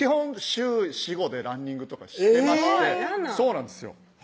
週４５日でランニングとかしてましてランナーそうなんですよ